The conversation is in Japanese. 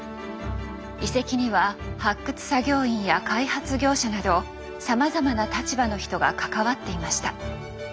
遺跡には発掘作業員や開発業者などさまざまな立場の人が関わっていました。